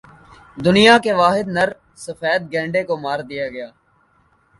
دنیا کے واحد نر سفید گینڈے کو مار دیا گیا